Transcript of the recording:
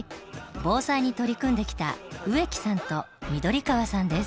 防災に取り組んできた植木さんと翠川さんです。